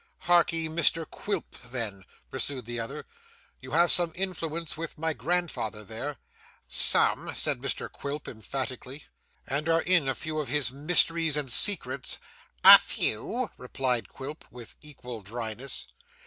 'Harkee, Mr Quilp, then,' pursued the other, 'You have some influence with my grandfather there.' 'Some,' said Mr Quilp emphatically. 'And are in a few of his mysteries and secrets.' 'A few,' replied Quilp, with equal dryness.